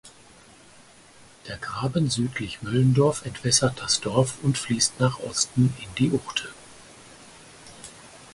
Der "Graben südlich Möllendorf" entwässert das Dorf und fließt nach Osten in die Uchte.